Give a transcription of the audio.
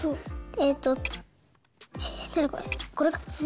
えっとちこれか。